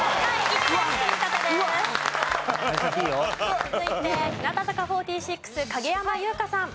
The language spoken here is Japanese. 続いて日向坂４６影山優佳さん。